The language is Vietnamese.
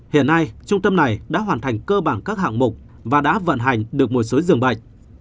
hiện nay trung tâm này đã hoàn thành cơ bản các hạng mục và đã vận hành được một số giường bệnh